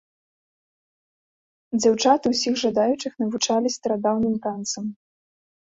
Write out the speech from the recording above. Дзяўчаты ўсіх жадаючых навучалі старадаўнім танцам.